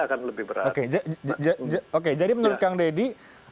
akan lebih berat oke jadi menurut kang deddy